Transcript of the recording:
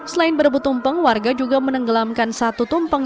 selain berebut tumpeng warga juga menenggelamkan satu tumpeng